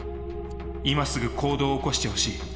今すぐ行動を起こしてほしい。